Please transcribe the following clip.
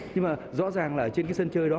nhưng mà rõ ràng là trên cái sân chơi đó